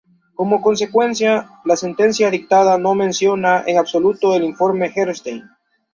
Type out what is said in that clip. Como consecuencia, la sentencia dictada no menciona en absoluto el informe Gerstein.